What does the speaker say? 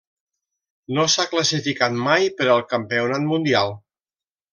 No s'ha classificat mai per al campionat mundial.